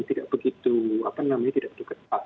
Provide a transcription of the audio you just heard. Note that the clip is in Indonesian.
tidak begitu apa namanya tidak cukup cepat